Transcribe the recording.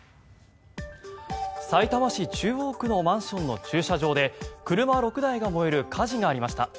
さいたま市中央区のマンションの駐車場で車６台が燃える火事がありました。